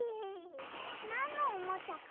なんのおもちゃかな？